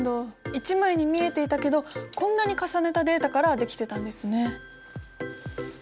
１枚に見えていたけどこんなに重ねたデータから出来てたんですね。